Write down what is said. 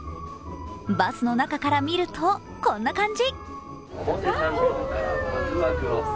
バスの中から見るとこんな感じ。